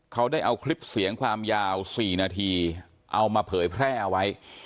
เขาได้เอาคลิปเสียงความยาว๔นาทีเอามาเผยแพร่เอาไว้